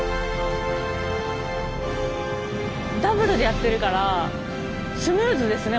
ダブルでやってるからスムーズですね